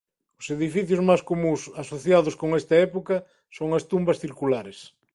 Os edificios máis comúns asociados con esta época son as tumbas circulares.